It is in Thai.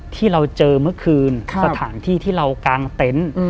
ที่เราเจอเมื่อคืนสถานที่ที่เรากางเต็นต์